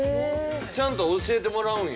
ちゃんと教えてもらうんや。